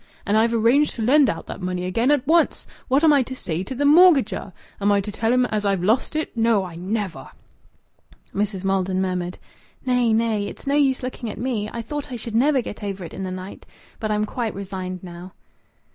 And I've arranged to lend out that money again, at once! What am I to say to th' mortgagor? Am I to tell him as I've lost it?... No! I never!" Mrs. Maldon murmured "Nay, nay! It's no use looking at me. I thought I should never get over it in the night. But I'm quite resigned now."